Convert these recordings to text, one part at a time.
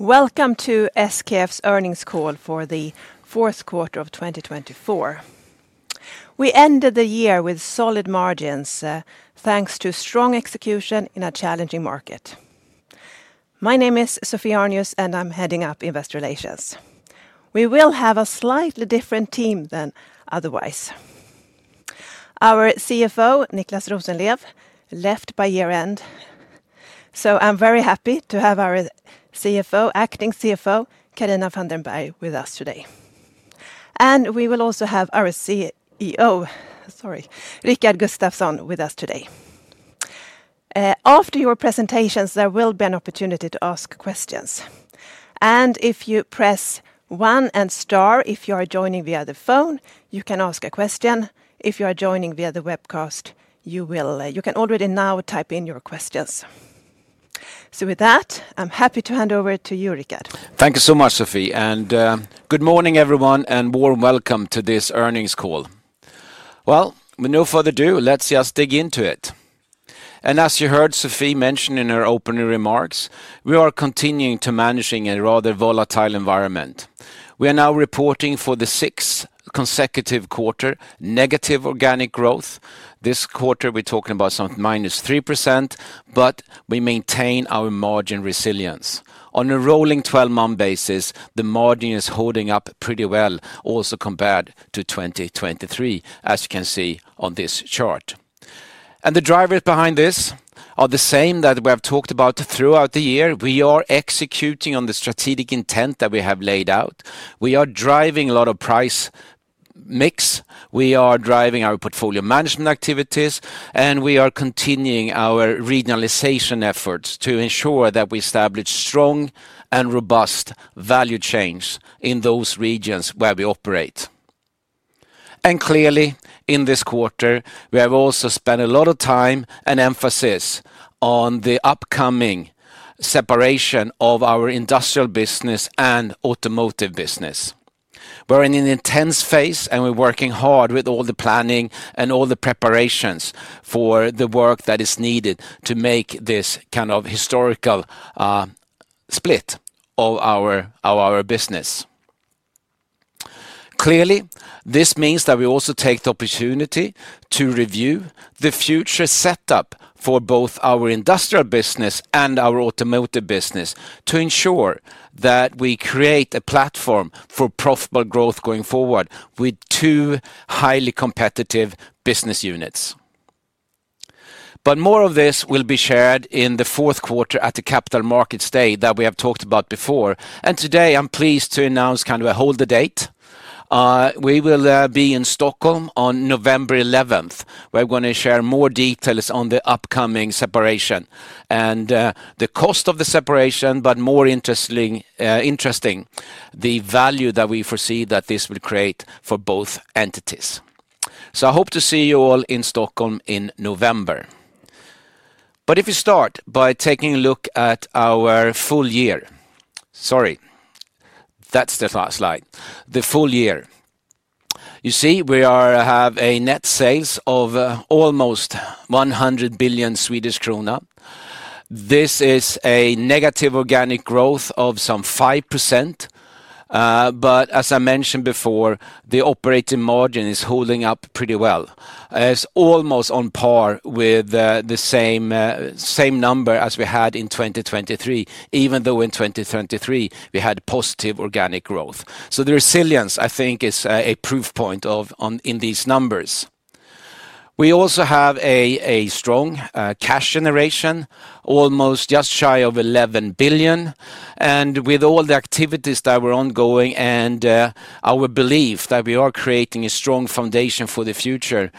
Welcome to SKF's earnings call for the fourth quarter of 2024. We ended the year with solid margins, thanks to strong execution in a challenging market. My name is Sophie Arnius, and I'm heading up Investor Relations. We will have a slightly different team than otherwise. Our CFO, Niclas Rosenlew, left by year-end, so I'm very happy to have our acting CFO, Carina van den Berg, with us today. And we will also have our CEO, sorry, Rickard Gustafson, with us today. After your presentations, there will be an opportunity to ask questions. And if you press one and star if you are joining via the phone, you can ask a question. If you are joining via the webcast, you can already now type in your questions. So with that, I'm happy to hand over to you, Rickard. Thank you so much, Sophie. Good morning, everyone, and warm welcome to this earnings call. With no further ado, let's just dig into it. As you heard Sophie mention in her opening remarks, we are continuing to manage a rather volatile environment. We are now reporting for the sixth consecutive quarter negative organic growth. This quarter, we're talking about some -3%, but we maintain our margin resilience. On a rolling 12-month basis, the margin is holding up pretty well, also compared to 2023, as you can see on this chart. The drivers behind this are the same that we have talked about throughout the year. We are executing on the strategic intent that we have laid out. We are driving a lot of price mix. We are driving our portfolio management activities, and we are continuing our regionalization efforts to ensure that we establish strong and robust value chains in those regions where we operate, and clearly, in this quarter, we have also spent a lot of time and emphasis on the upcoming separation of our industrial business and automotive business. We're in an intense phase, and we're working hard with all the planning and all the preparations for the work that is needed to make this kind of historical split of our business. Clearly, this means that we also take the opportunity to review the future setup for both our industrial business and our automotive business to ensure that we create a platform for profitable growth going forward with two highly competitive business units. But more of this will be shared in the fourth quarter at the Capital Markets Day that we have talked about before. And today, I'm pleased to announce kind of a hold the date. We will be in Stockholm on November 11th. We're going to share more details on the upcoming separation and the cost of the separation, but more interesting, the value that we foresee that this will create for both entities. So I hope to see you all in Stockholm in November. But if we start by taking a look at our full year, sorry, that's the slide, the full year. You see, we have net sales of almost 100 billion Swedish krona. This is a negative organic growth of some 5%. But as I mentioned before, the operating margin is holding up pretty well, almost on par with the same number as we had in 2023, even though in 2023, we had positive organic growth. So the resilience, I think, is a proof point in these numbers. We also have a strong cash generation, almost just shy of 11 billion. And with all the activities that were ongoing and our belief that we are creating a strong foundation for the future,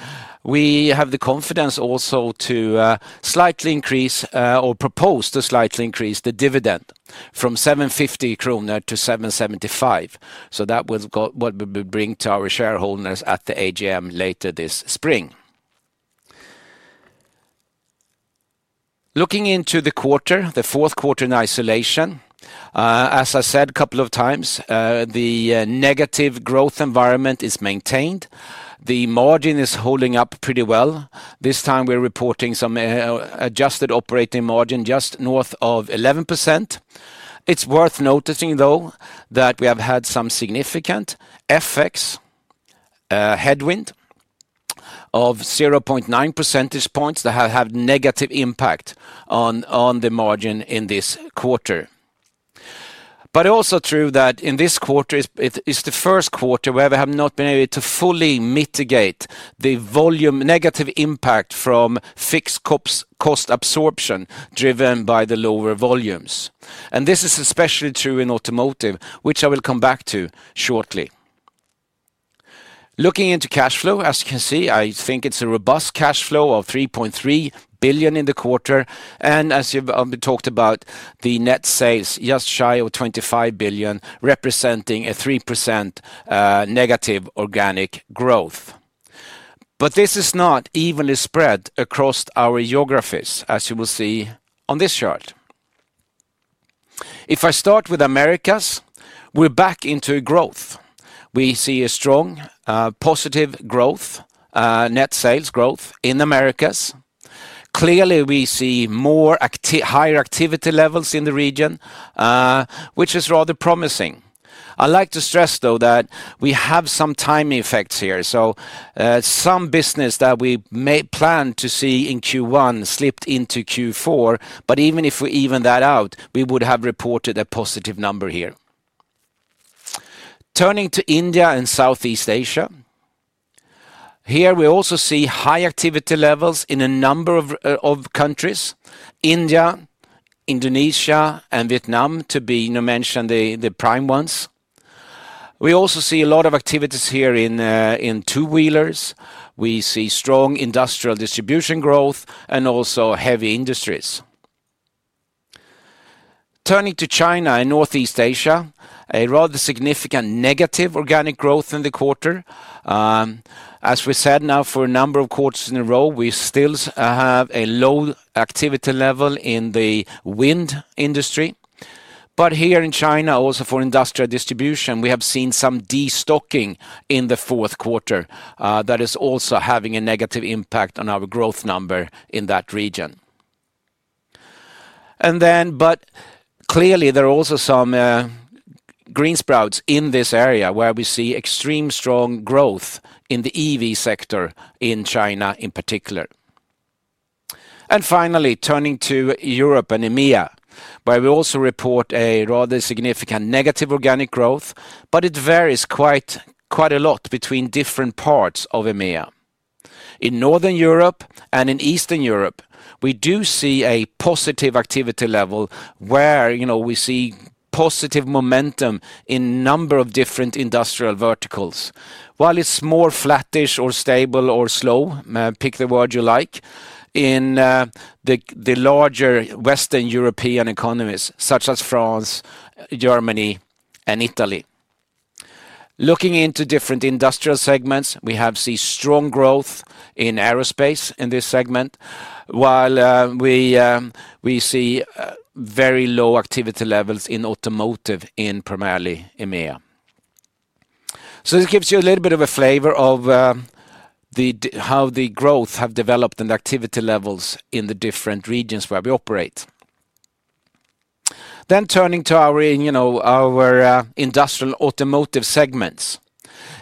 we have the confidence also to slightly increase or propose to slightly increase the dividend from 7.50 kronor to 7.75. So that will be what we bring to our shareholders at the AGM later this spring. Looking into the quarter, the fourth quarter in isolation, as I said a couple of times, the negative growth environment is maintained. The margin is holding up pretty well. This time, we're reporting some adjusted operating margin just north of 11%. It's worth noticing, though, that we have had some significant FX headwind of 0.9 percentage points that have negative impact on the margin in this quarter. But also true that in this quarter, it's the first quarter where we have not been able to fully mitigate the negative impact from fixed cost absorption driven by the lower volumes. And this is especially true in automotive, which I will come back to shortly. Looking into cash flow, as you can see, I think it's a robust cash flow of 3.3 billion in the quarter. And as we talked about, the net sales just shy of 25 billion, representing a 3% negative organic growth. But this is not evenly spread across our geographies, as you will see on this chart. If I start with Americas, we're back into growth. We see a strong positive growth, net sales growth in Americas. Clearly, we see more higher activity levels in the region, which is rather promising. I'd like to stress, though, that we have some timing effects here. So some business that we may plan to see in Q1 slipped into Q4. But even if we even that out, we would have reported a positive number here. Turning to India and Southeast Asia, here we also see high activity levels in a number of countries, India, Indonesia, and Vietnam to be mentioned, the prime ones. We also see a lot of activities here in two wheelers. We see strong industrial distribution growth and also heavy industries. Turning to China and Northeast Asia, a rather significant negative organic growth in the quarter. As we said now for a number of quarters in a row, we still have a low activity level in the wind industry. But here in China, also for industrial distribution, we have seen some destocking in the fourth quarter that is also having a negative impact on our growth number in that region. And then, but clearly, there are also some green shoots in this area where we see extreme strong growth in the EV sector in China in particular. And finally, turning to Europe and EMEA, where we also report a rather significant negative organic growth, but it varies quite a lot between different parts of EMEA. In Northern Europe and in Eastern Europe, we do see a positive activity level where we see positive momentum in a number of different industrial verticals. While it's more flattish or stable or slow, pick the word you like, in the larger Western European economies, such as France, Germany, and Italy. Looking into different industrial segments, we have seen strong growth in aerospace in this segment, while we see very low activity levels in automotive in primarily EMEA. So this gives you a little bit of a flavor of how the growth has developed and activity levels in the different regions where we operate. Then turning to our industrial automotive segments.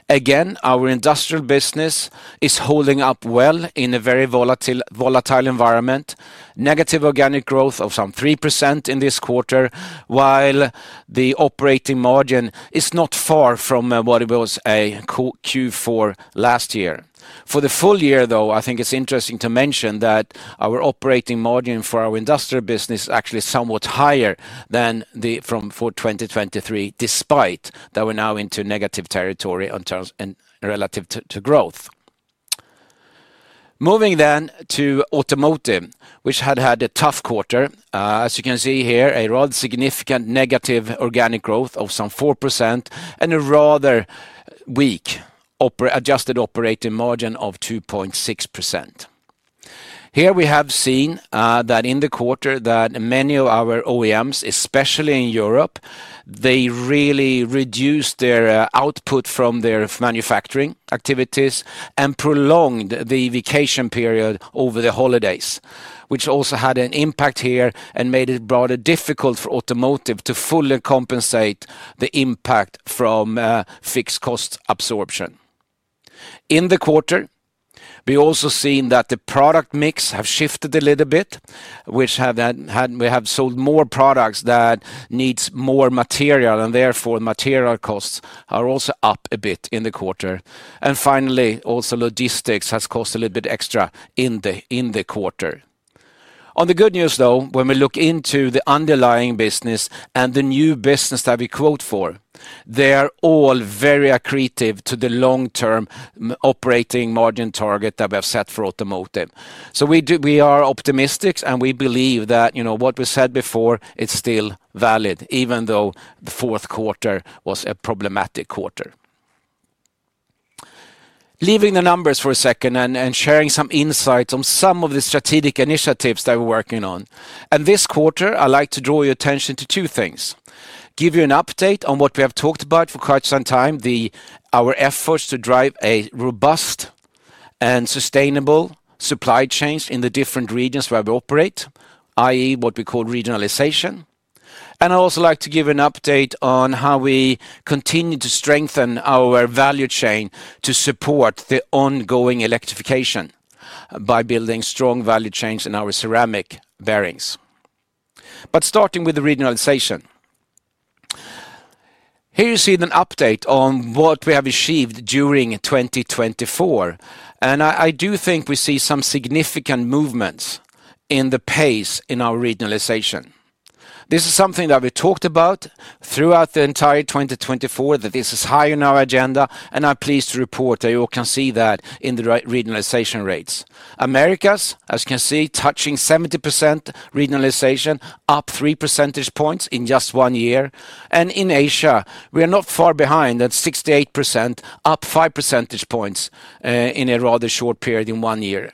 Again, our industrial business is holding up well in a very volatile environment. Negative organic growth of some 3% in this quarter, while the operating margin is not far from what it was a Q4 last year. For the full year, though, I think it's interesting to mention that our operating margin for our industrial business is actually somewhat higher than for 2023, despite that we're now into negative territory relative to growth. Moving then to automotive, which had had a tough quarter. As you can see here, a rather significant negative organic growth of some 4% and a rather weak adjusted operating margin of 2.6%. Here we have seen that in the quarter that many of our OEMs, especially in Europe, they really reduced their output from their manufacturing activities and prolonged the vacation period over the holidays, which also had an impact here and made it rather difficult for automotive to fully compensate the impact from fixed cost absorption. In the quarter, we have also seen that the product mix has shifted a little bit, which we have sold more products that need more material, and therefore material costs are also up a bit in the quarter, and finally, also logistics has cost a little bit extra in the quarter. On the good news, though, when we look into the underlying business and the new business that we quote for, they are all very accretive to the long-term operating margin target that we have set for automotive, so we are optimistic, and we believe that what we said before is still valid, even though the fourth quarter was a problematic quarter. Leaving the numbers for a second and sharing some insights on some of the strategic initiatives that we're working on, and this quarter, I'd like to draw your attention to two things. Give you an update on what we have talked about for quite some time, our efforts to drive a robust and sustainable supply chain in the different regions where we operate, i.e., what we call regionalization, and I'd also like to give you an update on how we continue to strengthen our value chain to support the ongoing electrification by building strong value chains in our ceramic bearings, but starting with the regionalization, here you see an update on what we have achieved during 2024, and I do think we see some significant movements in the pace in our regionalization. This is something that we talked about throughout the entire 2024, that this is high on our agenda, and I'm pleased to report that you can see that in the regionalization rates. Americas, as you can see, touching 70% regionalization, up 3 percentage points in just one year. And in Asia, we are not far behind at 68%, up 5 percentage points in a rather short period in one year.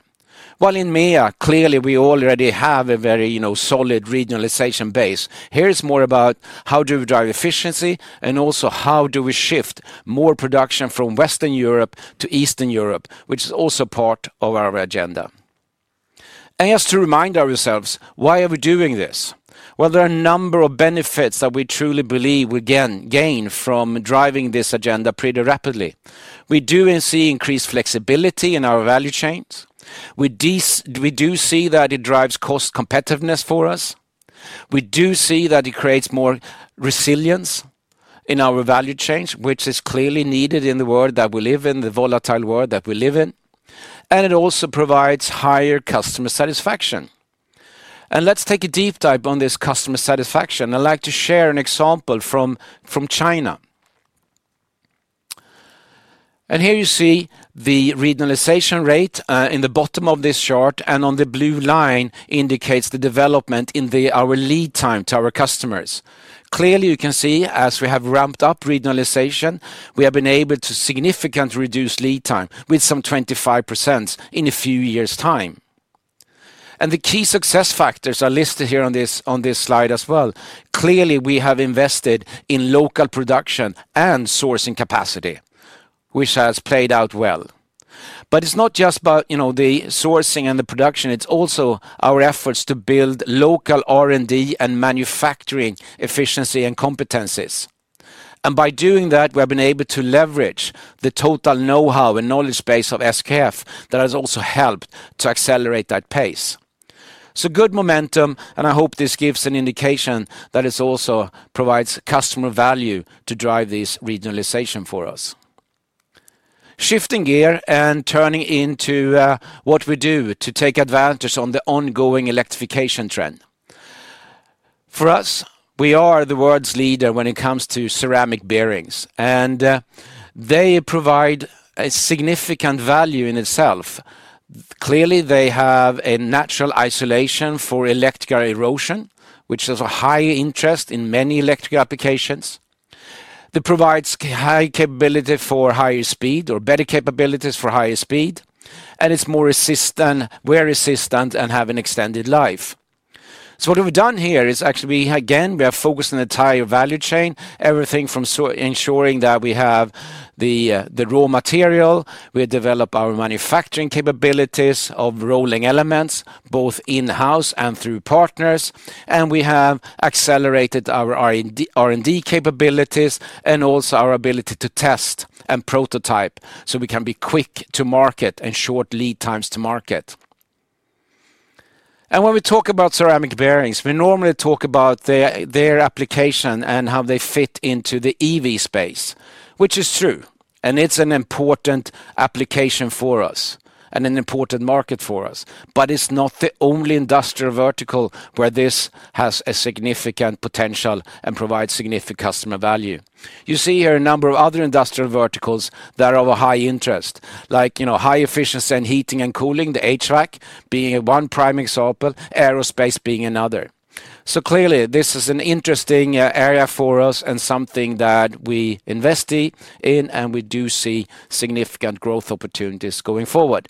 While in EMEA, clearly, we already have a very solid regionalization base. Here is more about how do we drive efficiency and also how do we shift more production from Western Europe to Eastern Europe, which is also part of our agenda. And just to remind ourselves, why are we doing this? Well, there are a number of benefits that we truly believe we gain from driving this agenda pretty rapidly. We do see increased flexibility in our value chains. We do see that it drives cost competitiveness for us. We do see that it creates more resilience in our value chains, which is clearly needed in the world that we live in, the volatile world that we live in. And it also provides higher customer satisfaction. Let's take a deep dive on this customer satisfaction. I'd like to share an example from China. Here you see the regionalization rate in the bottom of this chart, and the blue line indicates the development in our lead time to our customers. Clearly, you can see as we have ramped up regionalization, we have been able to significantly reduce lead time with some 25% in a few years' time. The key success factors are listed here on this slide as well. Clearly, we have invested in local production and sourcing capacity, which has played out well. It's not just about the sourcing and the production. It's also our efforts to build local R&D and manufacturing efficiency and competencies. By doing that, we have been able to leverage the total know-how and knowledge base of SKF that has also helped to accelerate that pace. Good momentum, and I hope this gives an indication that it also provides customer value to drive this regionalization for us. Shifting gear and turning into what we do to take advantage of the ongoing electrification trend. For us, we are the world's leader when it comes to ceramic bearings, and they provide a significant value in itself. Clearly, they have a natural isolation for electrical erosion, which is a high interest in many electrical applications. It provides high capability for higher speed or better capabilities for higher speed, and it's more resistant, very resistant, and has an extended life. So what we've done here is actually, again, we are focused on the entire value chain, everything from ensuring that we have the raw material, we develop our manufacturing capabilities of rolling elements both in-house and through partners, and we have accelerated our R&D capabilities and also our ability to test and prototype so we can be quick to market and short lead times to market. And when we talk about ceramic bearings, we normally talk about their application and how they fit into the EV space, which is true, and it's an important application for us and an important market for us. But it's not the only industrial vertical where this has a significant potential and provides significant customer value. You see here a number of other industrial verticals that are of high interest, like high efficiency and heating and cooling, the HVAC being one prime example, aerospace being another. Clearly, this is an interesting area for us and something that we invest in, and we do see significant growth opportunities going forward.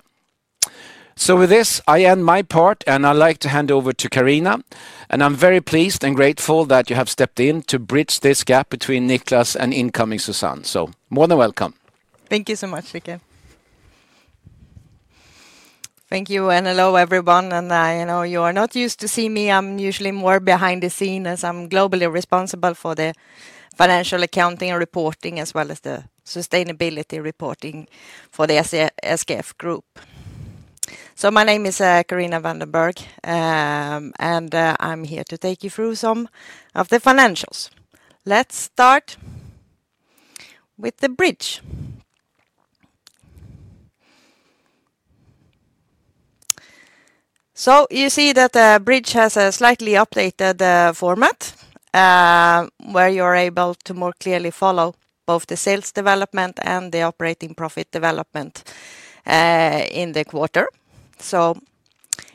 With this, I end my part, and I'd like to hand over to Carina. I'm very pleased and grateful that you have stepped in to bridge this gap between Niclas and incoming Susanne. More than welcome. Thank you so much, Rickard. Thank you and hello, everyone. You are not used to seeing me. I'm usually more behind the scenes as I'm globally responsible for the financial accounting and reporting, as well as the sustainability reporting for the SKF Group. So my name is Carina van den Berg, and I'm here to take you through some of the financials. Let's start with the bridge. So you see that the bridge has a slightly updated format where you're able to more clearly follow both the sales development and the operating profit development in the quarter. So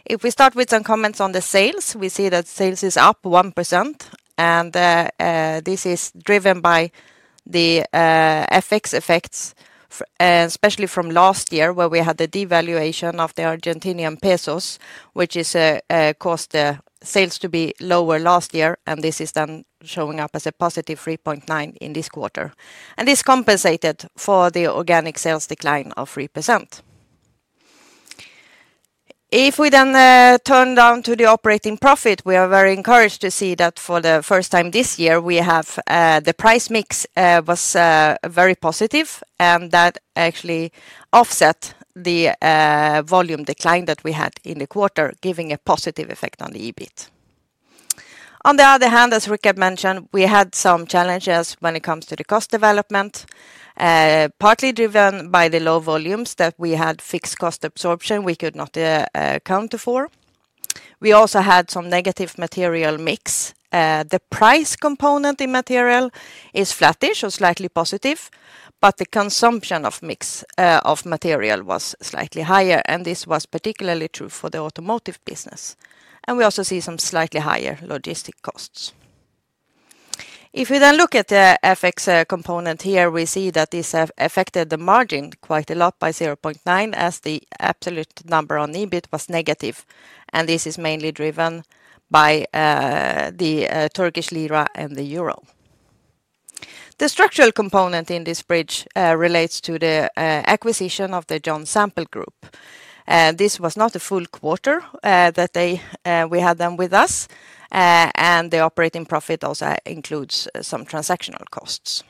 if we start with some comments on the sales, we see that sales is up 1%, and this is driven by the FX effects, especially from last year where we had the devaluation of the Argentinian pesos, which caused the sales to be lower last year. And this is then showing up as a +3.9% in this quarter. And this compensated for the organic sales decline of 3%. If we then turn down to the operating profit, we are very encouraged to see that for the first time this year, the price mix was very positive, and that actually offset the volume decline that we had in the quarter, giving a positive effect on the EBIT. On the other hand, as Rickard mentioned, we had some challenges when it comes to the cost development, partly driven by the low volumes that we had, fixed cost absorption we could not account for. We also had some negative material mix. The price component in material is flattish or slightly positive, but the consumption of mix of material was slightly higher, and this was particularly true for the automotive business, and we also see some slightly higher logistic costs. If we then look at the FX component here, we see that this affected the margin quite a lot by 0.9, as the absolute number on EBIT was negative, and this is mainly driven by the Turkish lira and the euro. The structural component in this bridge relates to the acquisition of the John Sample Group. This was not a full quarter that we had them with us, and the operating profit also includes some transactional costs.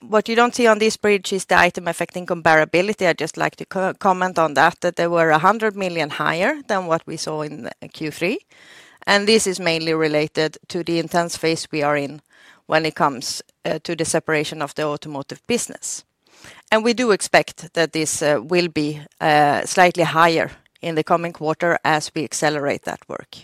What you don't see on this bridge is the item affecting comparability. I'd just like to comment on that, that they were 100 million higher than what we saw in Q3. And this is mainly related to the intense phase we are in when it comes to the separation of the automotive business. And we do expect that this will be slightly higher in the coming quarter as we accelerate that work.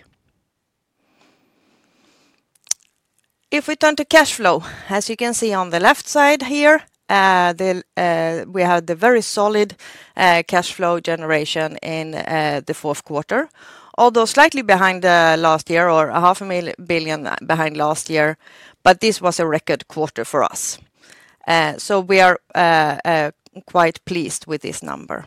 If we turn to cash flow, as you can see on the left side here, we had a very solid cash flow generation in the fourth quarter, although slightly behind last year or 0.5 billion behind last year, but this was a record quarter for us. So we are quite pleased with this number.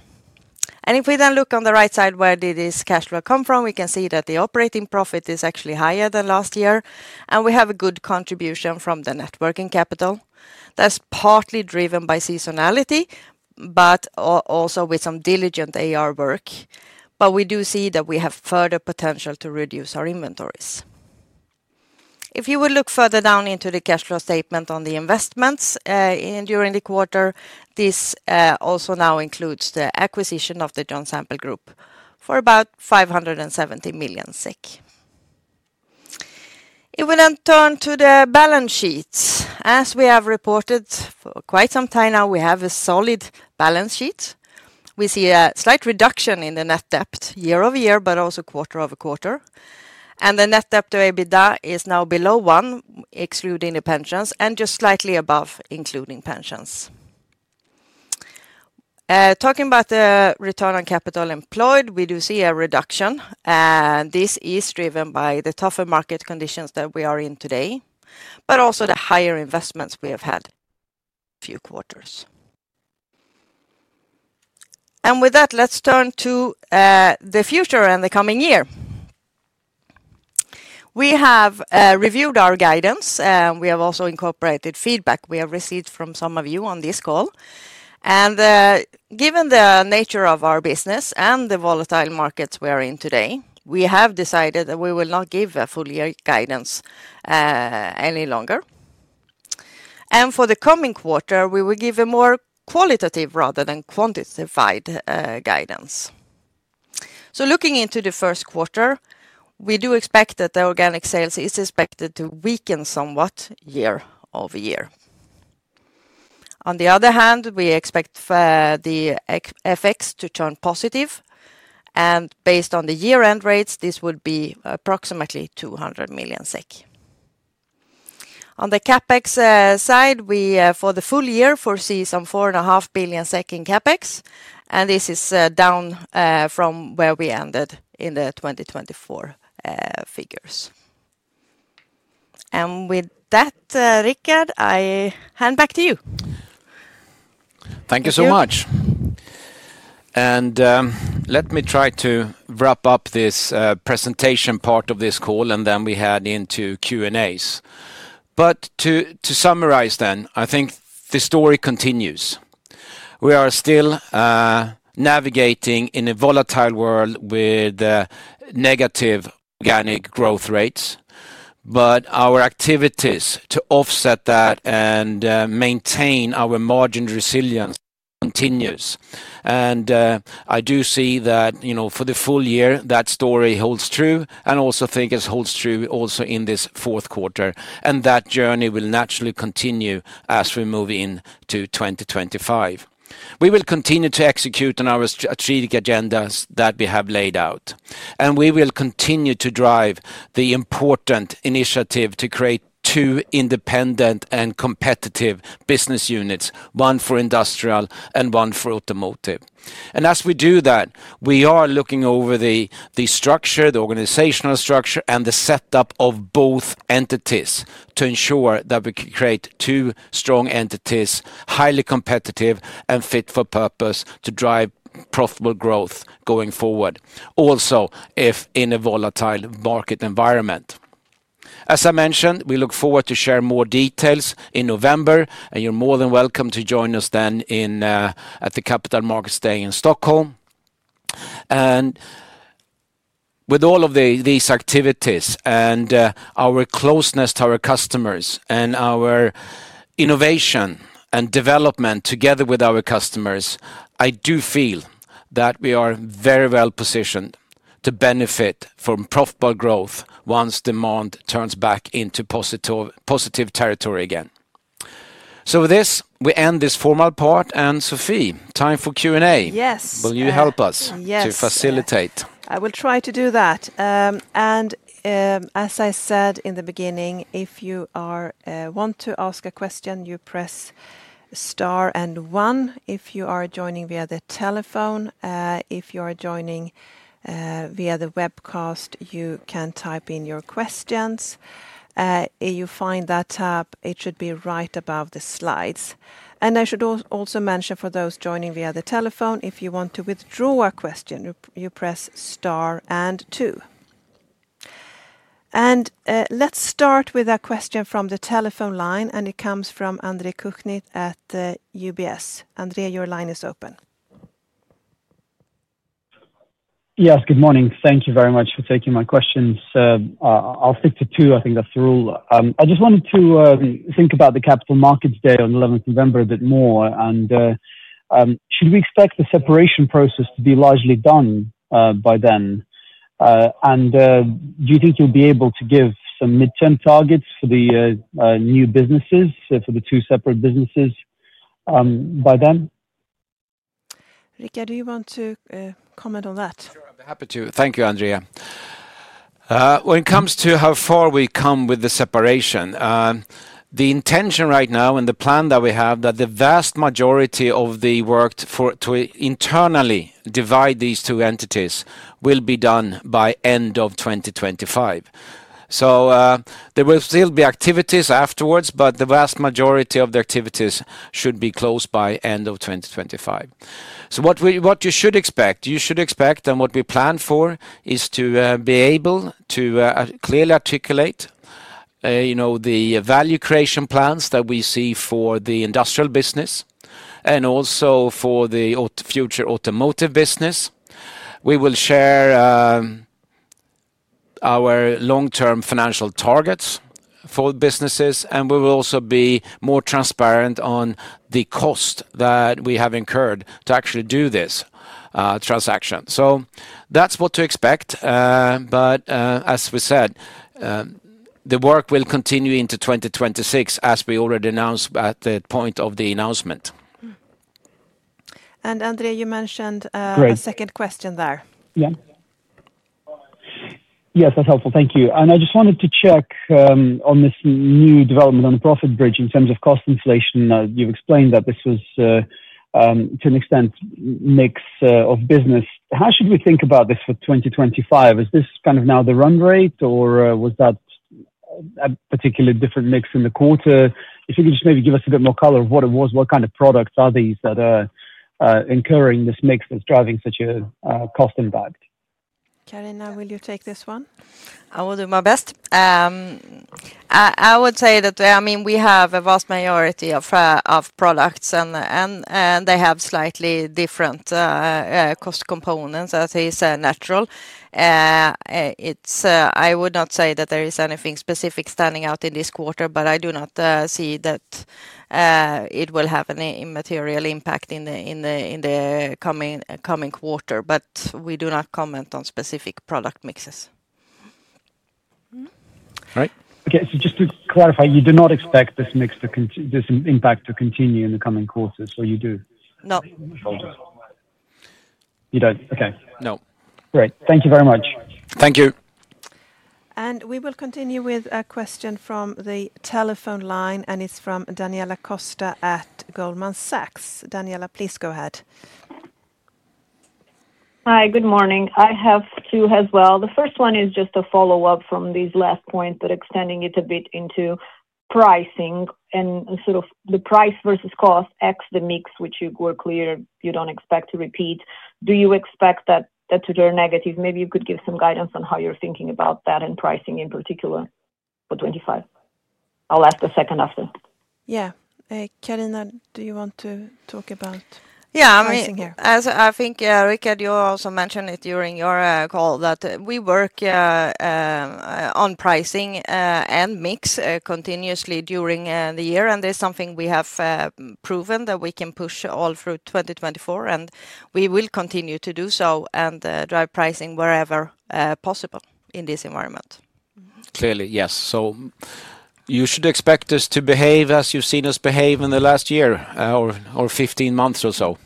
And if we then look on the right side, where did this cash flow come from? We can see that the operating profit is actually higher than last year, and we have a good contribution from the net working capital. That's partly driven by seasonality, but also with some diligent AR work. But we do see that we have further potential to reduce our inventories. If you would look further down into the cash flow statement on the investments during the quarter, this also now includes the acquisition of the John Sample Group for about 570 million. If we then turn to the balance sheets, as we have reported for quite some time now, we have a solid balance sheet. We see a slight reduction in the net debt year over year, but also quarter over quarter, and the net debt to EBITDA is now below one, excluding the pensions, and just slightly above, including pensions. Talking about the return on capital employed, we do see a reduction, and this is driven by the tougher market conditions that we are in today, but also the higher investments we have had a few quarters, and with that, let's turn to the future and the coming year. We have reviewed our guidance, and we have also incorporated feedback we have received from some of you on this call, and given the nature of our business and the volatile markets we are in today, we have decided that we will not give a full year guidance any longer, and for the coming quarter, we will give a more qualitative rather than quantitative guidance, so looking into the first quarter, we do expect that the organic sales is expected to weaken somewhat year over year. On the other hand, we expect the FX to turn positive, and based on the year-end rates, this would be approximately 200 million SEK. On the CapEx side, we for the full year foresee some 4.5 billion SEK in CapEx, and this is down from where we ended in the 2024 figures, and with that, Rickard, I hand back to you. Thank you so much, and let me try to wrap up this presentation part of this call, and then we head into Q&As, but to summarize then, I think the story continues. We are still navigating in a volatile world with negative organic growth rates, but our activities to offset that and maintain our margin resilience continues, and I do see that for the full year, that story holds true, and also think it holds true also in this fourth quarter, and that journey will naturally continue as we move into 2025. We will continue to execute on our strategic agendas that we have laid out, and we will continue to drive the important initiative to create two independent and competitive business units, one for industrial and one for automotive. And as we do that, we are looking over the structure, the organizational structure, and the setup of both entities to ensure that we create two strong entities, highly competitive and fit for purpose to drive profitable growth going forward, also if in a volatile market environment. As I mentioned, we look forward to share more details in November, and you're more than welcome to join us then at the Capital Markets Day in Stockholm. And with all of these activities and our closeness to our customers and our innovation and development together with our customers, I do feel that we are very well positioned to benefit from profitable growth once demand turns back into positive territory again. So with this, we end this formal part, and Sophie, time for Q&A. Yes. Will you help us to facilitate? I will try to do that. As I said in the beginning, if you want to ask a question, you press star and one. If you are joining via the telephone, if you are joining via the webcast, you can type in your questions. You find that tab. It should be right above the slides. And I should also mention for those joining via the telephone, if you want to withdraw a question, you press star and two. And let's start with a question from the telephone line, and it comes from Andre Kukhnin at UBS. Andrei, your line is open. Yes, good morning. Thank you very much for taking my questions. I'll stick to two. I think that's the rule. I just wanted to think about the Capital Markets Day on 11th November a bit more. And should we expect the separation process to be largely done by then? Do you think you'll be able to give some midterm targets for the new businesses, for the two separate businesses by then? Rickard, do you want to comment on that? Sure, I'd be happy to. Thank you, Andreas. When it comes to how far we come with the separation, the intention right now and the plan that we have that the vast majority of the work to internally divide these two entities will be done by end of 2025. So there will still be activities afterwards, but the vast majority of the activities should be closed by end of 2025. So what you should expect, you should expect, and what we plan for is to be able to clearly articulate the value creation plans that we see for the industrial business and also for the future automotive business. We will share our long-term financial targets for businesses, and we will also be more transparent on the cost that we have incurred to actually do this transaction. So that's what to expect, but as we said, the work will continue into 2026, as we already announced at the point of the announcement, and Andrei, you mentioned a second question there. Yes, that's helpful. Thank you, and I just wanted to check on this new development on the profit bridge in terms of cost inflation. You've explained that this was, to an extent, a mix of business. How should we think about this for 2025? Is this kind of now the run rate, or was that a particularly different mix in the quarter? If you could just maybe give us a bit more color on what it was, what kind of products are these that are incurring this mix that's driving such a cost impact? Carina, will you take this one? I will do my best. I would say that, I mean, we have a vast majority of products, and they have slightly different cost components, as is natural. I would not say that there is anything specific standing out in this quarter, but I do not see that it will have any material impact in the coming quarter but we do not comment on specific product mixes. All right. Okay so just to clarify, you do not expect this impact to continue in the coming quarters, or you do? No. You don't. Okay. No. Great. Thank you very much. Thank you. And we will continue with a question from the telephone line, and it's from Daniela Costa at Goldman Sachs. Daniela, please go ahead. Hi, good morning. I have two as well. The first one is just a follow-up from these last points, but extending it a bit into pricing and sort of the price versus cost X the mix, which you were clear you don't expect to repeat. Do you expect that to turn negative? Maybe you could give some guidance on how you're thinking about that and pricing in particular for 2025. I'll ask the second after. Yeah. Carina, do you want to talk about pricing here? Yeah, I think, Rickard, you also mentioned it during your call that we work on pricing and mix continuously during the year, and it's something we have proven that we can push all through 2024, and we will continue to do so and drive pricing wherever possible in this environment. Clearly, yes. So you should expect us to behave as you've seen us behave in the last year or 15 months or so.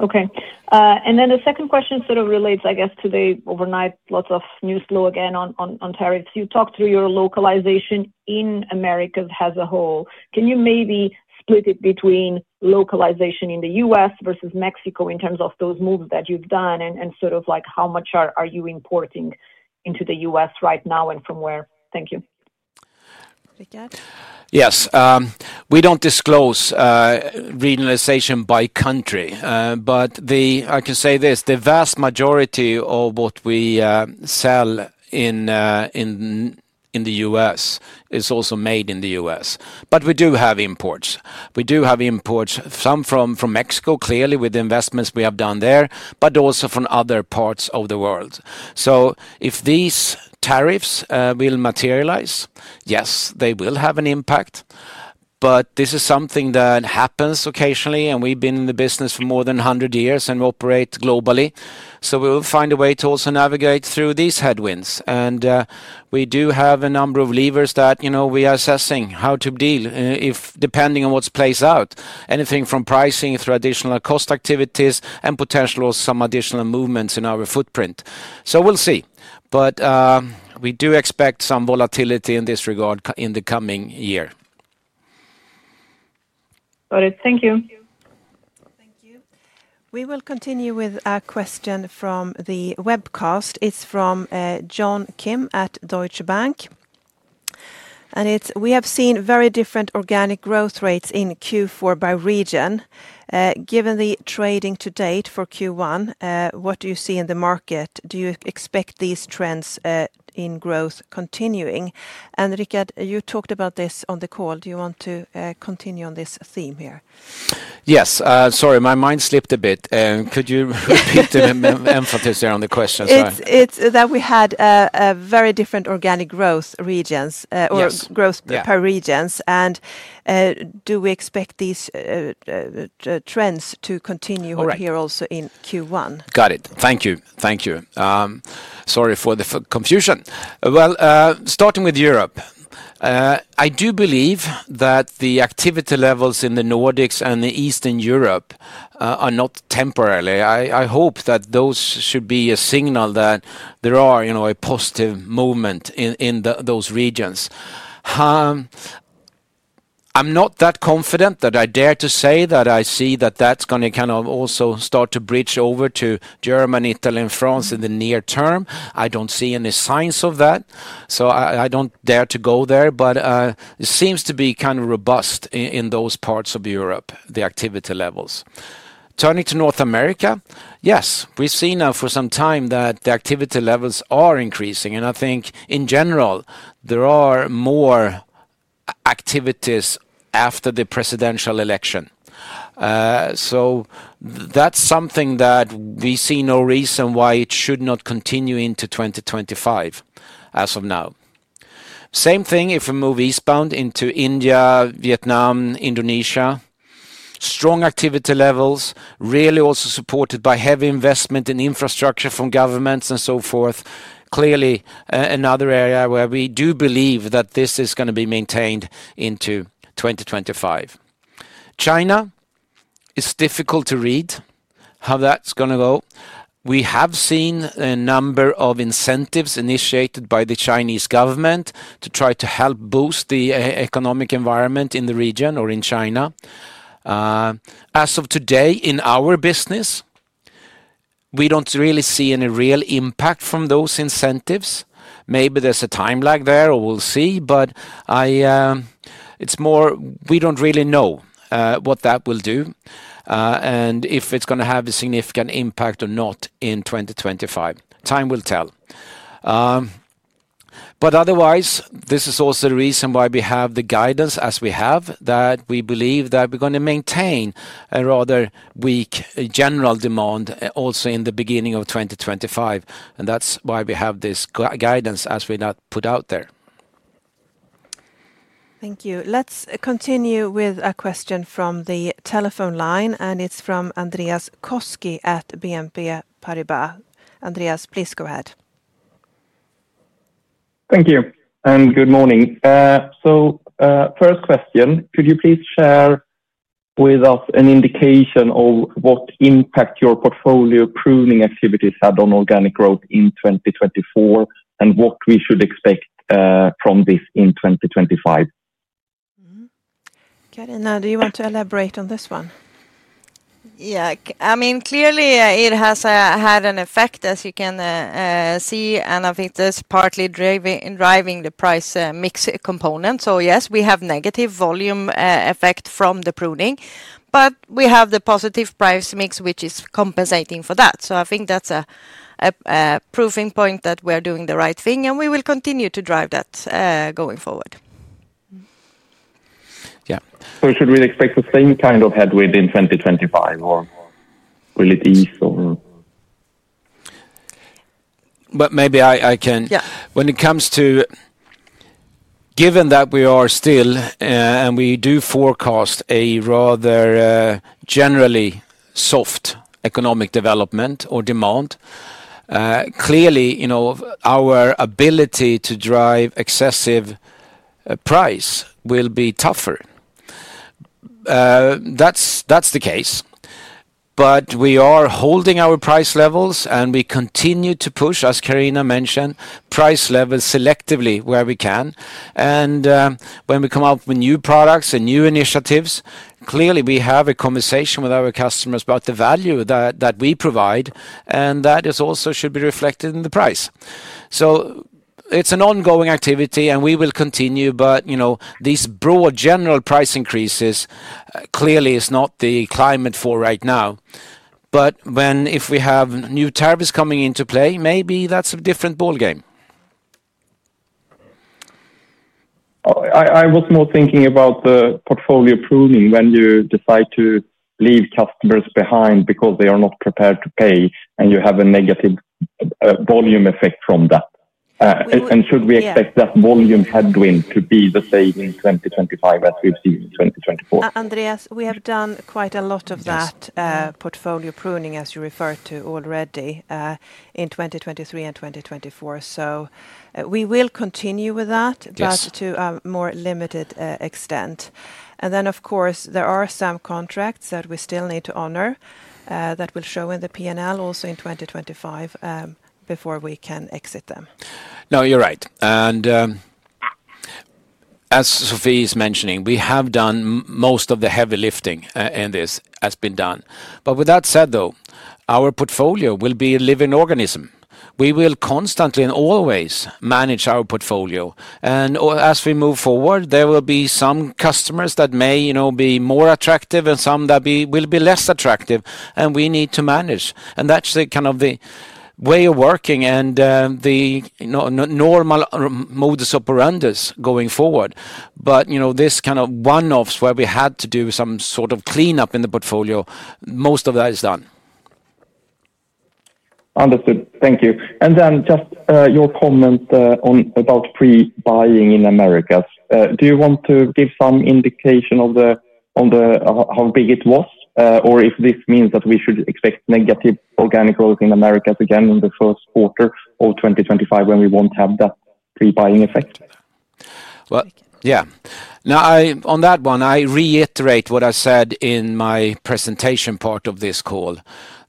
Okay. And then the second question sort of relates, I guess, to the overnight lots of news flow again on tariffs. You talked through your localization in America as a whole. Can you maybe split it between localization in the U.S. versus Mexico in terms of those moves that you've done and sort of how much are you importing into the U.S. right now and from where? Thank you. Rickard? Yes. We don't disclose realization by country, but I can say this: the vast majority of what we sell in the U.S. is also made in the U.S. But we do have imports. We do have imports, some from Mexico, clearly, with the investments we have done there, but also from other parts of the world. So if these tariffs will materialize, yes, they will have an impact. But this is something that happens occasionally, and we've been in the business for more than 100 years, and we operate globally. So we will find a way to also navigate through these headwinds. And we do have a number of levers that we are assessing how to deal, depending on what's plays out, anything from pricing through additional cost activities and potentially some additional movements in our footprint. So we'll see. But we do expect some volatility in this regard in the coming year. Got it. Thank you. Thank you. We will continue with a question from the webcast. It's from John Kim at Deutsche Bank. And it's, "We have seen very different organic growth rates in Q4 by region. Given the trading to date for Q1, what do you see in the market? Do you expect these trends in growth continuing?" And Rickard, you talked about this on the call. Do you want to continue on this theme here? Yes. Sorry, my mind slipped a bit. Could you repeat and emphasize there on the question? It's that we had very different organic growth regions or growth per regions. And do we expect these trends to continue here also in Q1? Got it. Thank you. Thank you. Sorry for the confusion. Starting with Europe, I do believe that the activity levels in the Nordics and Eastern Europe are not temporary. I hope that those should be a signal that there is a positive movement in those regions. I'm not that confident that I dare to say that I see that that's going to kind of also start to bridge over to Germany, Italy, and France in the near term. I don't see any signs of that. I don't dare to go there, but it seems to be kind of robust in those parts of Europe, the activity levels. Turning to North America, yes, we've seen now for some time that the activity levels are increasing. I think, in general, there are more activities after the presidential election. That's something that we see no reason why it should not continue into 2025 as of now. Same thing if we move eastbound into India, Vietnam, Indonesia. Strong activity levels, really also supported by heavy investment in infrastructure from governments and so forth. Clearly, another area where we do believe that this is going to be maintained into 2025. China is difficult to read how that's going to go. We have seen a number of incentives initiated by the Chinese government to try to help boost the economic environment in the region or in China. As of today, in our business, we don't really see any real impact from those incentives. Maybe there's a time lag there, or we'll see. But it's more we don't really know what that will do and if it's going to have a significant impact or not in 2025. Time will tell. But otherwise, this is also the reason why we have the guidance as we have, that we believe that we're going to maintain a rather weak general demand also in the beginning of 2025. And that's why we have this guidance as we put out there. Thank you. Let's continue with a question from the telephone line, and it's from Andreas Koski at BNP Paribas. Andreas, please go ahead. Thank you. And good morning. So first question, could you please share with us an indication of what impact your portfolio pruning activities had on organic growth in 2024 and what we should expect from this in 2025? Carina, do you want to elaborate on this one? Yeah. I mean, clearly, it has had an effect, as you can see, and I think this is partly driving the price mix component. So yes, we have negative volume effect from the pruning, but we have the positive price mix, which is compensating for that. So I think that's a proving point that we are doing the right thing, and we will continue to drive that going forward. Yeah. So we should really expect the same kind of headwind in 2025, or will it ease? But maybe I can. When it comes to given that we are still, and we do forecast a rather generally soft economic development or demand, clearly our ability to drive excessive price will be tougher. That's the case. But we are holding our price levels, and we continue to push, as Carina mentioned, price levels selectively where we can. And when we come up with new products and new initiatives, clearly, we have a conversation with our customers about the value that we provide, and that also should be reflected in the price. So it's an ongoing activity, and we will continue, but these broad general price increases clearly are not the climate for right now. But when, if we have new tariffs coming into play, maybe that's a different ball game. I was more thinking about the portfolio pruning when you decide to leave customers behind because they are not prepared to pay, and you have a negative volume effect from that. And should we expect that volume headwind to be the same in 2025 as we've seen in 2024? Andreas, we have done quite a lot of that portfolio pruning, as you referred to already, in 2023 and 2024. We will continue with that, but to a more limited extent. Then, of course, there are some contracts that we still need to honor that will show in the P&L also in 2025 before we can exit them. No, you're right. As Sophie is mentioning, we have done most of the heavy lifting. This has been done. With that said, though, our portfolio will be a living organism. We will constantly and always manage our portfolio. As we move forward, there will be some customers that may be more attractive and some that will be less attractive, and we need to manage. That's kind of the way of working and the normal modus operandi going forward. This kind of one-offs where we had to do some sort of cleanup in the portfolio, most of that is done. Understood. Thank you. And then just your comment about pre-buying in the Americas. Do you want to give some indication of how big it was, or if this means that we should expect negative organic growth in the Americas again in the first quarter of 2025 when we won't have that pre-buying effect? Well, yeah. Now, on that one, I reiterate what I said in my presentation part of this call,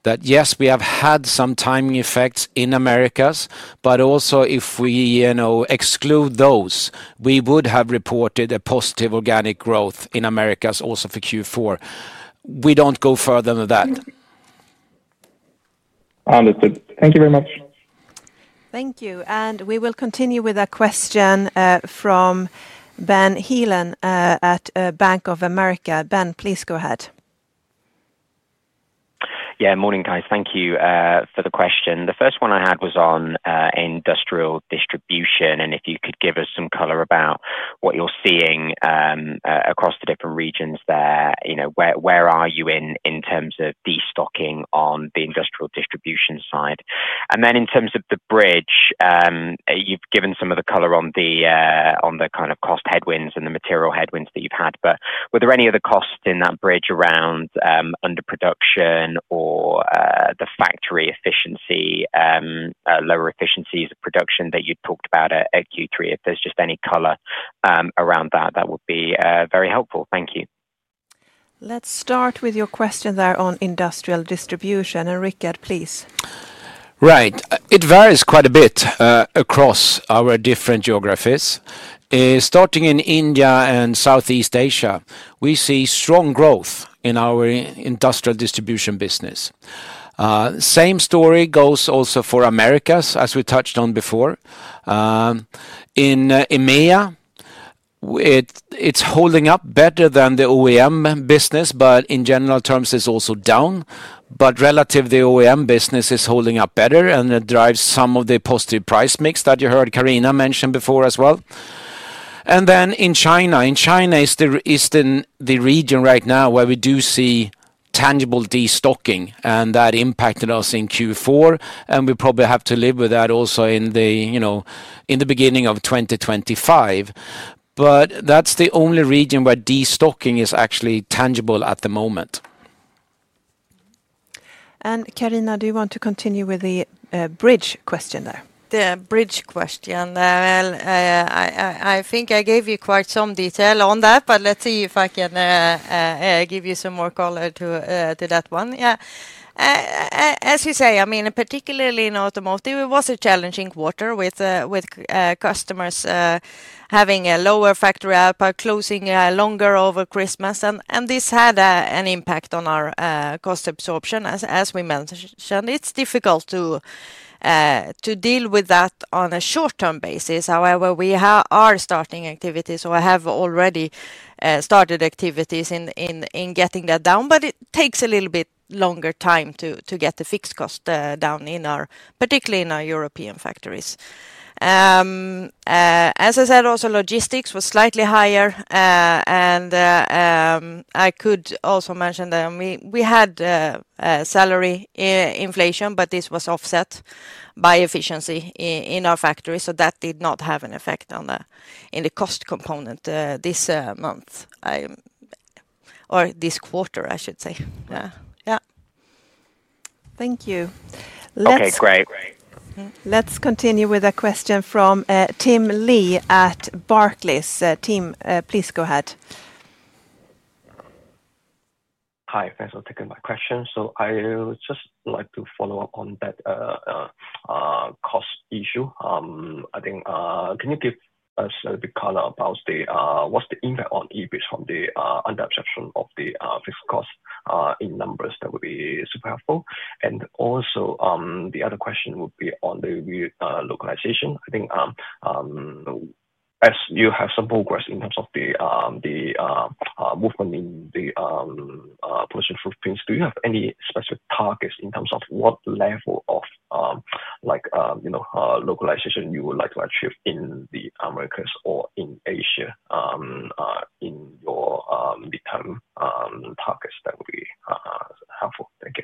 that yes, we have had some timing effects in the Americas, but also if we exclude those, we would have reported a positive organic growth in the Americas also for Q4. We don't go further than that. Understood. Thank you very much. Thank you, and we will continue with a question from Ben Heelan at Bank of America. Ben, please go ahead. Yeah. Morning, guys. Thank you for the question. The first one I had was on industrial distribution, and if you could give us some color about what you're seeing across the different regions there, where are you in terms of destocking on the industrial distribution side? And then in terms of the bridge, you've given some of the color on the kind of cost headwinds and the material headwinds that you've had. But were there any other costs in that bridge around underproduction or the factory efficiency, lower efficiencies of production that you'd talked about at Q3? If there's just any color around that, that would be very helpful. Thank you. Let's start with your question there on industrial distribution. And Rickard, please. Right. It varies quite a bit across our different geographies. Starting in India and Southeast Asia, we see strong growth in our industrial distribution business. Same story goes also for America, as we touched on before. In EMEA, it's holding up better than the OEM business, but in general terms, it's also down, but relatively, the OEM business is holding up better, and it drives some of the positive price mix that you heard Carina mention before as well, and then in China is the region right now where we do see tangible destocking, and that impacted us in Q4, and we probably have to live with that also in the beginning of 2025, but that's the only region where destocking is actually tangible at the moment, and Carina, do you want to continue with the bridge question there? The bridge question. I think I gave you quite some detail on that, but let's see if I can give you some more color to that one. Yeah. As you say, I mean, particularly in automotive, it was a challenging quarter with customers having a lower factory output, closing longer over Christmas. And this had an impact on our cost absorption, as we mentioned. It's difficult to deal with that on a short-term basis. However, we are starting activities, or I have already started activities in getting that down, but it takes a little bit longer time to get the fixed cost down, particularly in our European factories. As I said, also logistics was slightly higher, and I could also mention that we had salary inflation, but this was offset by efficiency in our factory. So that did not have an effect on the cost component this month, or this quarter, I should say. Yeah. Thank you. Okay. Great. Let's continue with a question from Tim Lee at Barclays. Tim, please go ahead. Hi. Thanks for taking my question. So I would just like to follow up on that cost issue. I think can you give us a bit of color about what's the impact on EBIT from the underabsorption of the fixed cost in numbers? That would be super helpful. And also, the other question would be on the localization. I think as you have some progress in terms of the movement in the production footprints, do you have any specific targets in terms of what level of localization you would like to achieve in the Americas or in Asia in your midterm targets? That would be helpful. Thank you.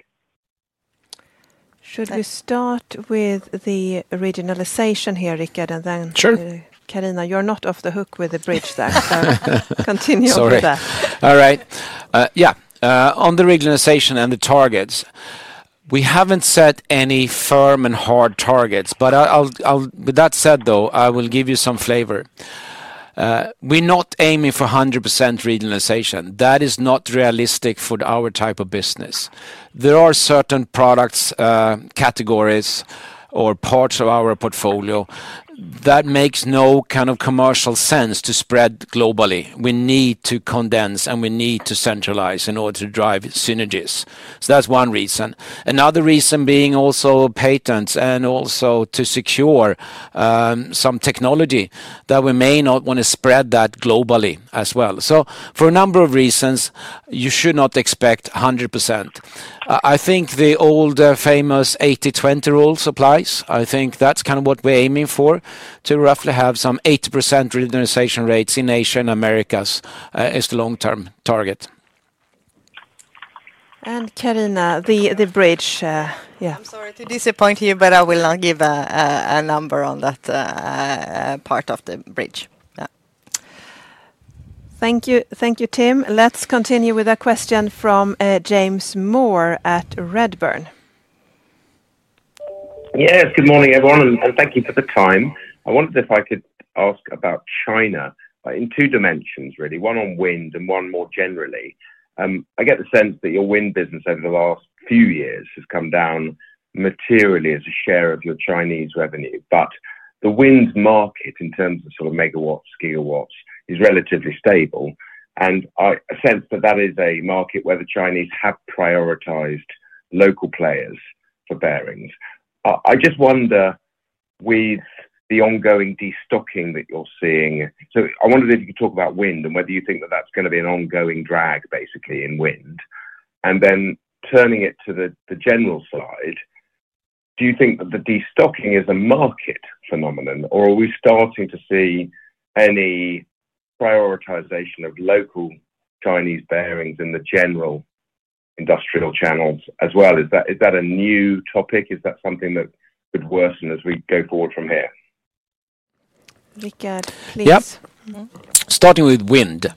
Should we start with the regionalization here, Rickard, and then Carina? You're not off the hook with the bridge there, so continue on with that. Sorry. All right. Yeah. On the regionalization and the targets, we haven't set any firm and hard targets. But with that said, though, I will give you some flavor. We're not aiming for 100% regionalization. That is not realistic for our type of business. There are certain products, categories, or parts of our portfolio that make no kind of commercial sense to spread globally. We need to condense, and we need to centralize in order to drive synergies. So that's one reason. Another reason being also patents and also to secure some technology that we may not want to spread that globally as well. So for a number of reasons, you should not expect 100%. I think the old famous 80/20 rule applies. I think that's kind of what we're aiming for, to roughly have some 80% regionalization rates in Asia and Americas is the long-term target. And Carina, the bridge. Yeah. I'm sorry to disappoint you, but I will not give a number on that part of the bridge. Yeah. Thank you. Thank you, Tim. Let's continue with a question from James Moore at Redburn. Yes. Good morning, everyone. And thank you for the time. I wondered if I could ask about China in two dimensions, really, one on wind and one more generally. I get the sense that your wind business over the last few years has come down materially as a share of your Chinese revenue. But the wind market in terms of sort of megawatts, gigawatts is relatively stable. And I sense that that is a market where the Chinese have prioritized local players for bearings. I just wonder with the ongoing destocking that you're seeing, so I wondered if you could talk about wind and whether you think that that's going to be an ongoing drag, basically, in wind. And then turning it to the general slide, do you think that the destocking is a market phenomenon, or are we starting to see any prioritization of local Chinese bearings in the general industrial channels as well? Is that a new topic? Is that something that could worsen as we go forward from here? Rickard, please. Yeah. Starting with wind.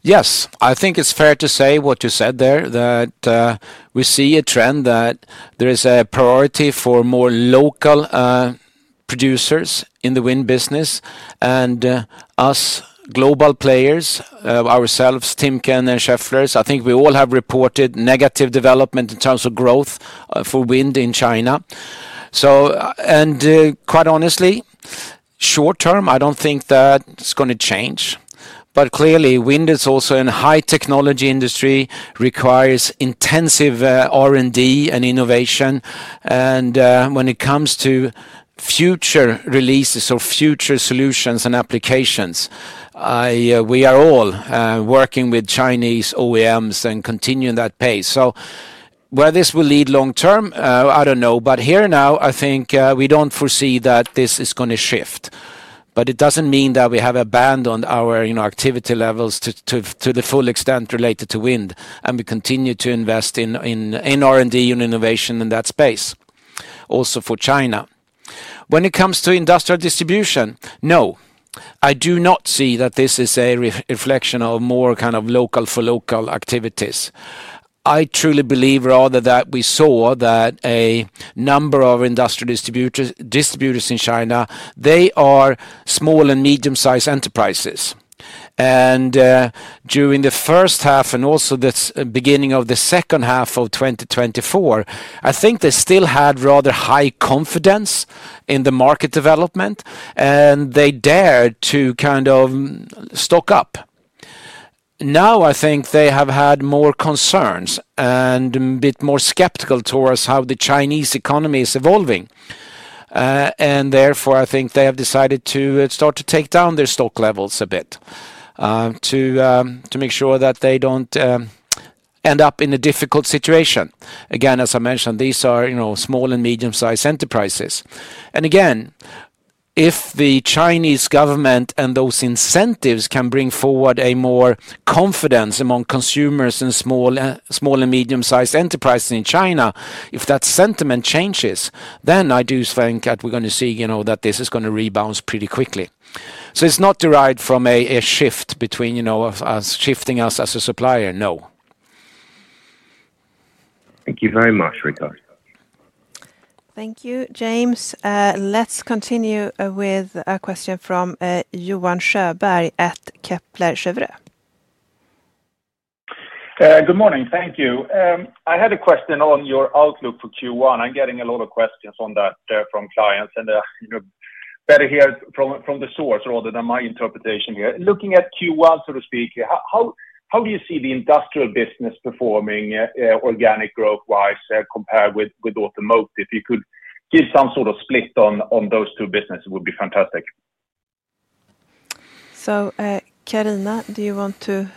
Yes, I think it's fair to say what you said there, that we see a trend that there is a priority for more local producers in the wind business. And us global players, ourselves, Timken and Schaeffler, I think we all have reported negative development in terms of growth for wind in China. Quite honestly, short term, I don't think that's going to change. But clearly, wind is also a high-tech technology industry, requires intensive R&D and innovation. When it comes to future releases or future solutions and applications, we are all working with Chinese OEMs and continuing that pace. So where this will lead long term, I don't know. Here now, I think we don't foresee that this is going to shift. It doesn't mean that we have abandoned our activity levels to the full extent related to wind, and we continue to invest in R&D and innovation in that space, also for China. When it comes to industrial distribution, no, I do not see that this is a reflection of more kind of local-for-local activities. I truly believe rather that we saw that a number of industrial distributors in China, they are small and medium-sized enterprises. During the first half and also the beginning of the second half of 2024, I think they still had rather high confidence in the market development, and they dared to kind of stock up. Now, I think they have had more concerns and a bit more skeptical towards how the Chinese economy is evolving. Therefore, I think they have decided to start to take down their stock levels a bit to make sure that they don't end up in a difficult situation. Again, as I mentioned, these are small and medium-sized enterprises. Again, if the Chinese government and those incentives can bring forward a more confidence among consumers and small and medium-sized enterprises in China, if that sentiment changes, then I do think that we're going to see that this is going to rebound pretty quickly. So it's not derived from a shift between us shifting us as a supplier, no. Thank you very much, Rickard. Thank you, James. Let's continue with a question from Johan Sjöberg at Kepler Cheuvreux. Good morning. Thank you. I had a question on your outlook for Q1. I'm getting a lot of questions on that from clients, and better hear from the source rather than my interpretation here. Looking at Q1, so to speak, how do you see the industrial business performing organic growth-wise compared with automotive? If you could give some sort of split on those two businesses, it would be fantastic. So Carina, do you want to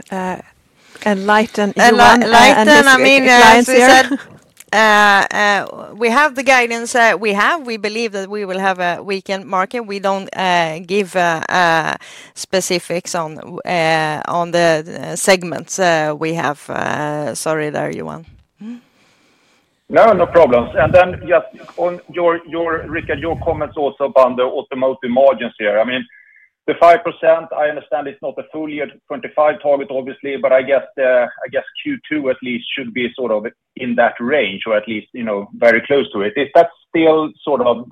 enlighten your clients? Enlighten I mean clients. We have the guidance we have. We believe that we will have a weakened market. We don't give specifics on the segments we have. Sorry, there, Johan. No, no problems. And then, just on your, Rickard, your comments also about the automotive margin here. I mean, the 5%, I understand it's not a full year 25 target, obviously, but I guess Q2 at least should be sort of in that range or at least very close to it. Is that still sort of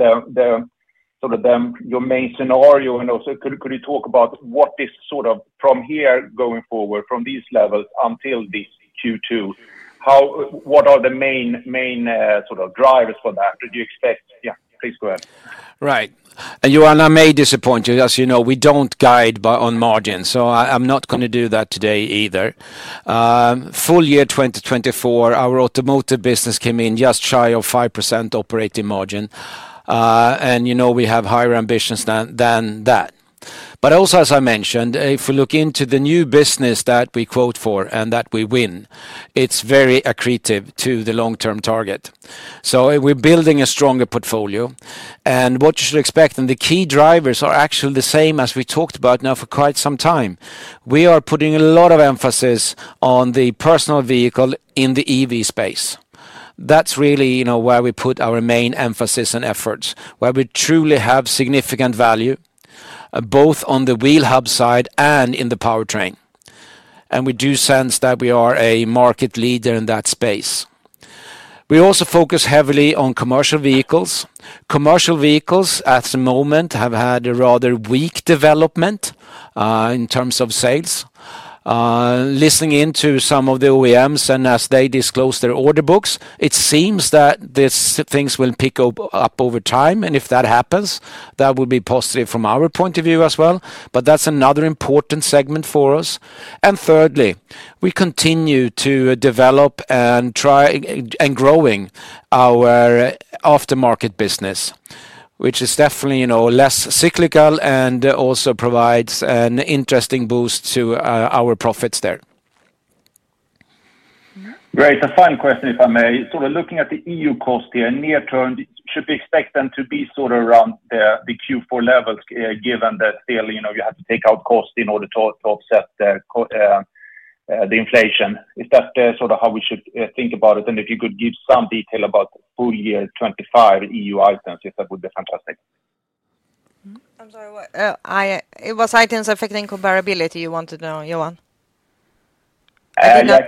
your main scenario? And also, could you talk about what is sort of from here going forward from these levels until this Q2? What are the main sort of drivers for that? Did you expect? Yeah, please go ahead. Right. And Johan, I may disappoint you. As you know, we don't guide on margins, so I'm not going to do that today either. Full year 2024, our automotive business came in just shy of 5% operating margin, and we have higher ambitions than that. But also, as I mentioned, if we look into the new business that we quote for and that we win, it's very accretive to the long-term target. So we're building a stronger portfolio. And what you should expect, and the key drivers are actually the same as we talked about now for quite some time. We are putting a lot of emphasis on the personal vehicle in the EV space. That's really where we put our main emphasis and efforts, where we truly have significant value, both on the wheel hub side and in the powertrain. And we do sense that we are a market leader in that space. We also focus heavily on commercial vehicles. Commercial vehicles at the moment have had a rather weak development in terms of sales. Listening into some of the OEMs, and as they disclose their order books, it seems that things will pick up over time. And if that happens, that would be positive from our point of view as well. But that's another important segment for us. And thirdly, we continue to develop and grow our aftermarket business, which is definitely less cyclical and also provides an interesting boost to our profits there. Great. A final question, if I may. Sort of looking at the SG&A cost here, near-term, should we expect them to be sort of around the Q4 levels, given that still you have to take out costs in order to offset the inflation? Is that sort of how we should think about it? And if you could give some detail about full year 25 SG&A items, yes, that would be fantastic. I'm sorry, what? It was items affecting comparability you wanted to know, Johan? Yeah,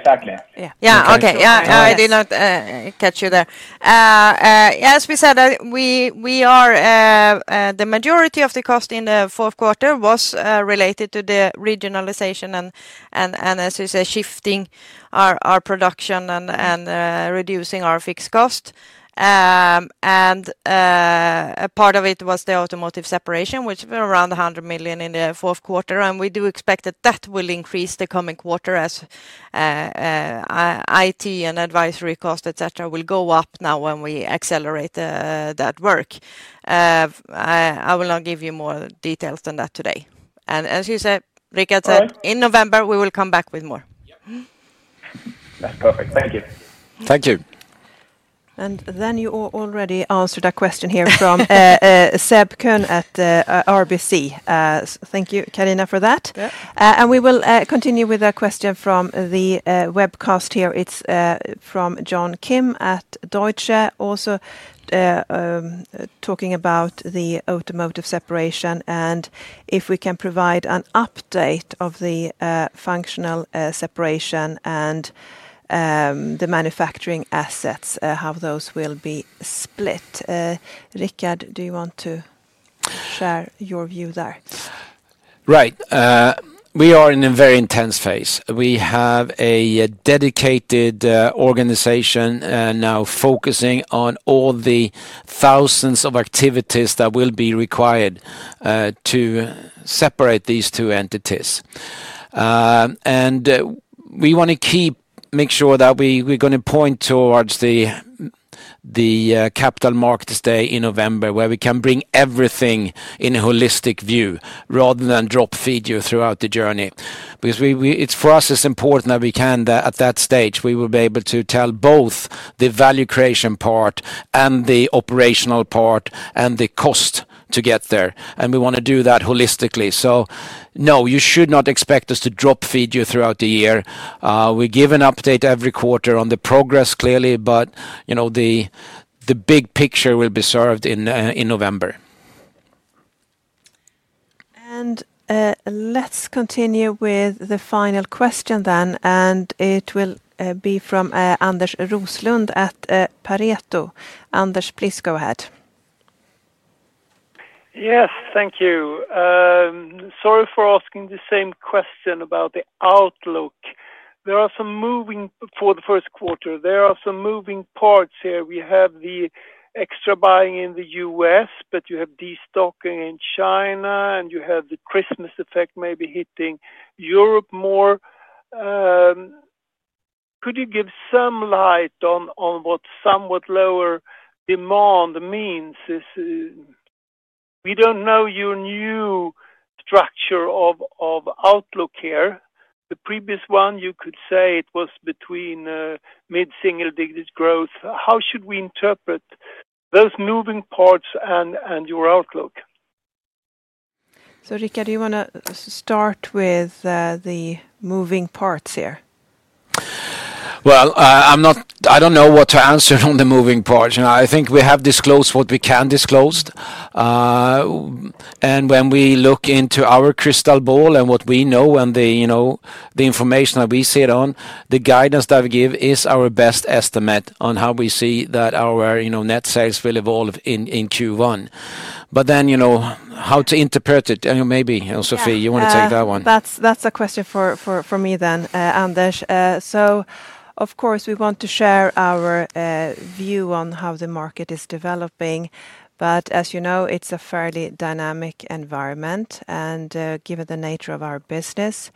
exactly. Okay. I did not catch you there. As we said, the majority of the cost in the fourth quarter was related to the regionalization and, as you said, shifting our production and reducing our fixed cost. Part of it was the automotive separation, which was around 100 million in the fourth quarter. We do expect that that will increase the coming quarter as IT and advisory costs, etc., will go up now when we accelerate that work. I will not give you more details than that today. As you said, Rickard said, in November, we will come back with more. That's perfect. Thank you. Thank you. You already answered a question here from Seb Kuenne at RBC. Thank you, Carina, for that. And we will continue with a question from the webcast here. It's from John Kim at Deutsche, also talking about the automotive separation and if we can provide an update of the functional separation and the manufacturing assets, how those will be split. Rickard, do you want to share your view there? Right. We are in a very intense phase. We have a dedicated organization now focusing on all the thousands of activities that will be required to separate these two entities. And we want to make sure that we're going to point towards the Capital Markets Day in November, where we can bring everything in a holistic view rather than drop-feed you throughout the journey. Because for us, it's important that we can at that stage, we will be able to tell both the value creation part and the operational part and the cost to get there. And we want to do that holistically. So no, you should not expect us to drip-feed you throughout the year. We give an update every quarter on the progress clearly, but the big picture will be served in November. And let's continue with the final question then. And it will be from Anders Roslund at Pareto. Anders, please go ahead. Yes, thank you. Sorry for asking the same question about the outlook. There are some moving parts for the first quarter. There are some moving parts here. We have the extra buying in the U.S., but you have destocking in China, and you have the Christmas effect maybe hitting Europe more. Could you shed some light on what somewhat lower demand means? We don't know your new structure of outlook here. The previous one, you could say it was between mid-single-digit growth. How should we interpret those moving parts and your outlook? So, Rickard, do you want to start with the moving parts here? Well, I don't know what to answer on the moving parts. I think we have disclosed what we can disclose. And when we look into our crystal ball and what we know and the information that we sit on, the guidance that we give is our best estimate on how we see that our net sales will evolve in Q1. But then how to interpret it? Maybe, Sophie, you want to take that one? That's a question for me then, Anders. So, of course, we want to share our view on how the market is developing. But as you know, it's a fairly dynamic environment. And given the nature of our business,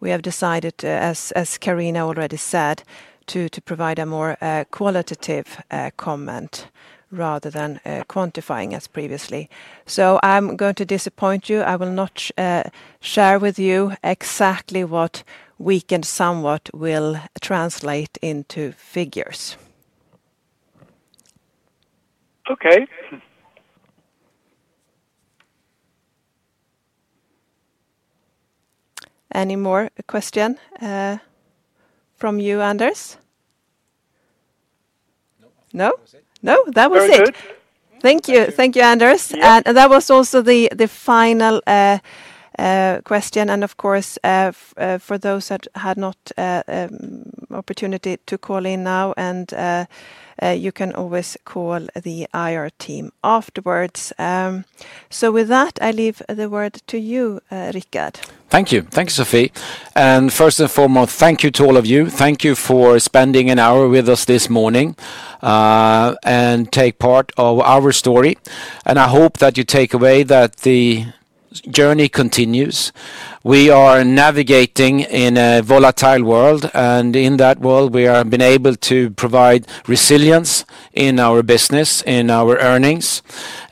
we have decided, as Carina already said, to provide a more qualitative comment rather than quantifying as previously. So I'm going to disappoint you. I will not share with you exactly what we end somewhat will translate into figures. Okay. Any more questions from you, Anders? No? No? That was it. Very good. Thank you. Thank you, Anders. And that was also the final question. And of course, for those that had not had an opportunity to call in now, you can always call the IR team afterwards. So with that, I leave the word to you, Rickard. Thank you. Thank you, Sophie. And first and foremost, thank you to all of you. Thank you for spending an hour with us this morning and taking part in our story. And I hope that you take away that the journey continues. We are navigating in a volatile world, and in that world, we have been able to provide resilience in our business, in our earnings,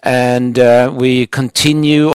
and we continue.